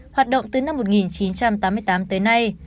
hoạt động từ năm một nghìn chín trăm tám mươi tám tới nay